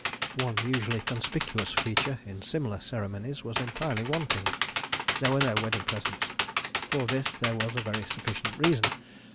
One usually conspicuous feature in similar ceremonies was entirely wanting. There were no wedding presents. For this there was a very sufficient reason.